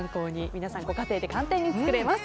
皆さん、ご家庭で簡単に作れます。